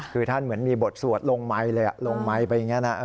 คือท่านเหมือนมีบทสวดลงไมค์เลยลงไมค์ไปอย่างนี้นะ